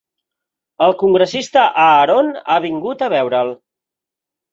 El congressista Aaron ha vingut a veure'l.